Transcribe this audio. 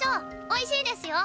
おいしいですよ。